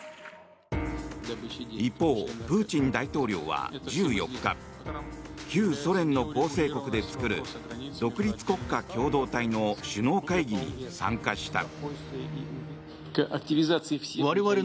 一方、プーチン大統領は１４日旧ソ連の構成国で作る独立国家共同体の首脳会議に参加した。